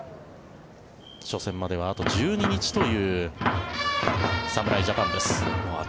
初戦まであと１２日という侍ジャパンです。